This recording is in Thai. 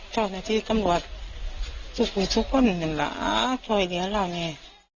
เจ้าหน้าที่กำลัวทุกคนเหมือนล่ะจ่อยเหลือเราเนี่ย